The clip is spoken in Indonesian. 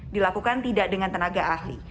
dilakukan tidak dengan tenaga ahli